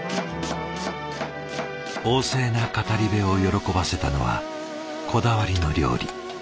旺盛な語り部を喜ばせたのはこだわりの料理。